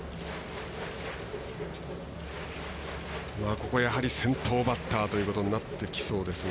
ここ、やはり先頭バッターということになってきそうですが。